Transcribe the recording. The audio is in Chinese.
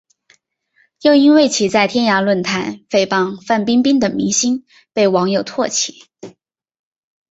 又因为其在天涯论坛诽谤范冰冰等明星被网友唾弃。